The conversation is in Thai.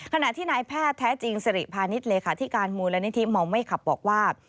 ขณะที่นายแพทย์แท้จริงสิริพาณิชย์เลขาธิการมูลนิธิเมาไม่ขับบอกว่า